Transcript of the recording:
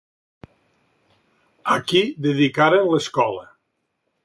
A qui dedicaren l'escola?